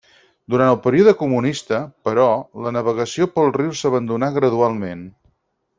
Durant el període comunista, però, la navegació pel riu s'abandonà gradualment.